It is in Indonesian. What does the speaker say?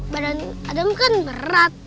badan adam kan berat